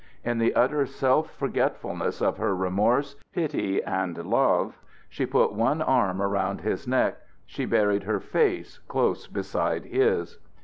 In the utter self forgetfulness of her remorse, pity, and love, she put one arm around his neck, she buried her face close beside his.